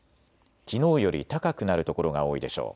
きのうより高くなる所が多いでしょう。